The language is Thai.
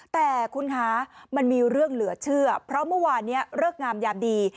แต่คุณคะมันมีเรื่องเหลือเชื่อเพราะเมื่อวานนี้เลิกงามยามดี